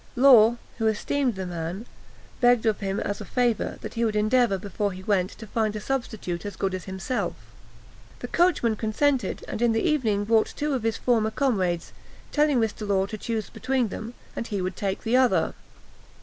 Law, who esteemed the man, begged of him as a favour, that he would endeavour, before he went, to find a substitute as good as himself. The coachman consented, and in the evening brought two of his former comrades, telling Mr. Law to choose between them, and he would take the other.